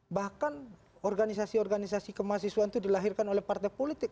bahkan organisasi organisasi kemahasiswaan itu dilahirkan oleh partai politik